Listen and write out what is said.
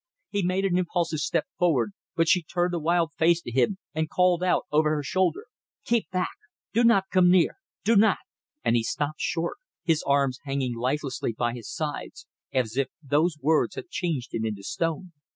He made an impulsive step forward, but she turned a wild face to him and called out over her shoulder "Keep back! Do not come near! Do not. ..." And he stopped short, his arms hanging lifelessly by his side, as if those words had changed him into stone.